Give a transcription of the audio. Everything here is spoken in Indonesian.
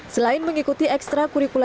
selain mengikuti ekstra kurikulumnya